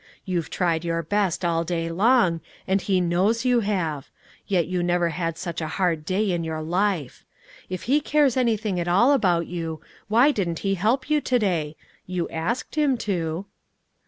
You've tried your best all day long, and He knows you have; yet you never had such a hard day in your life. If He cares anything at all about you, why didn't He help you to day? You asked Him to."